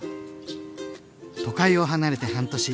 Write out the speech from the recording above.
都会を離れて半年。